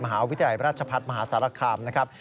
มหาวิทยาลัยราชพัฒน์มหาสารคามนะครับ